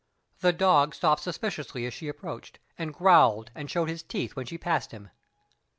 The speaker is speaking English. The dog stopped suspiciously as she approached, and growled and showed his teeth when she passed him.